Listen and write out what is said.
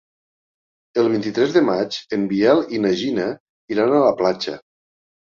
El vint-i-tres de maig en Biel i na Gina iran a la platja.